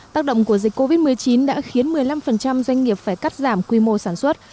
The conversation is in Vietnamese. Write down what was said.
tác động của dịch covid một mươi chín đã khiến một mươi năm doanh nghiệp phải cắt giảm quy mô sản xuất